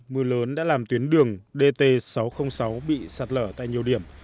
mưa lớn đã làm tuyến đường dt sáu trăm linh sáu bị sạt lở tại nhiều điểm